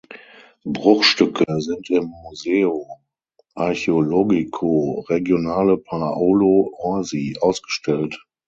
Bruchstücke sind im Museo Archeologico Regionale Paolo Orsi ausgestellt.